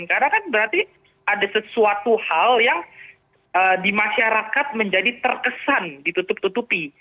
karena kan berarti ada sesuatu hal yang di masyarakat menjadi terkesan ditutup tutupi